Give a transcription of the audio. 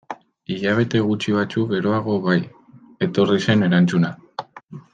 Hilabete gutxi batzuk geroago bai, etorri zen erantzuna.